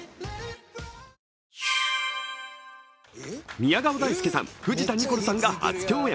宮川大輔さん、藤田ニコルさんが初共演。